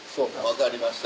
分かりました